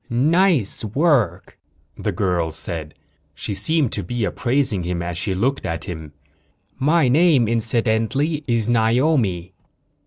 "Nice work," the girl said. She seemed to be appraising him as she looked at him. "My name, incidentally, is Naomi."